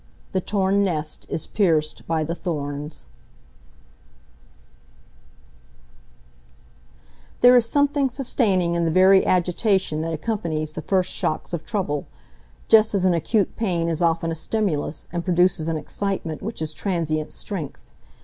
The Torn Nest Is Pierced by the Thorns There is something sustaining in the very agitation that accompanies the first shocks of trouble, just as an acute pain is often a stimulus, and produces an excitement which is transient strength.